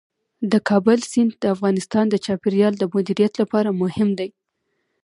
د کابل سیند د افغانستان د چاپیریال د مدیریت لپاره مهم دی.